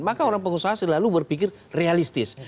maka orang pengusaha selalu berpikir realistis